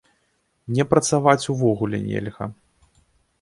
Мне працаваць увогуле нельга.